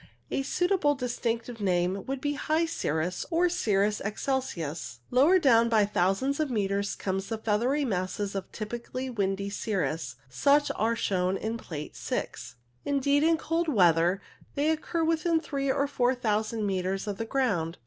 A suitable distinctive name would be high cirrus, or cirrus excelsus. Lower down by thousands of metres come the feathery masses of typical windy cirrus, such as are shown in Plate 6. Indeed, in cold winter weather they occur within three or four thousand metres of the ground.